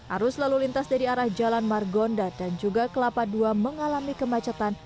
arus lalu lintas dari arah jalan margonda dan juga kelapa ii mengalami kemacetan